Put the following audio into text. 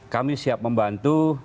kami siap membantu